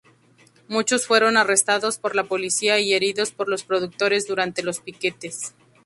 Muchos fueron arrestados por la policía y heridos por los productores durante los piquetes.